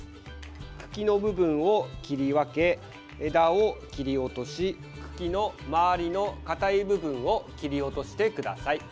茎の部分を切り分け枝を切り落とし茎の周りのかたい部分を切り落としてください。